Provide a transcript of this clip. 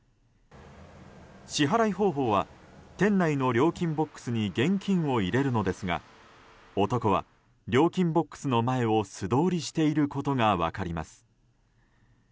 支払方法は店内の料金ボックスに現金を入れるのですが男は料金ボックスの前を素通していることが分かります。